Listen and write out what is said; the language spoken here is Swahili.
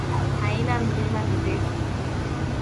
Haina milima mirefu.